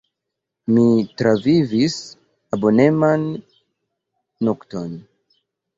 Mi travivis abomenan nokton.